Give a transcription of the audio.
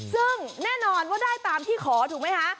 ซึ่งแน่นอนว่าได้ตามที่ขอถูกไหมคะ